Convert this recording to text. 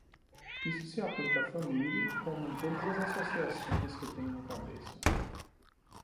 Isso se aplica à família, como em todas as associações que têm uma cabeça.